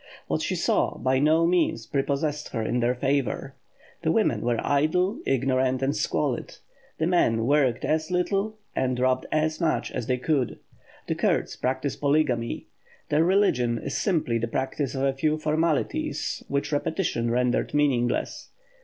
What she saw by no means prepossessed her in their favour; the women were idle, ignorant, and squalid; the men worked as little and robbed as much as they could. The Kurds practise polygamy; their religion is simply the practice of a few formalities which repetition renders meaningless.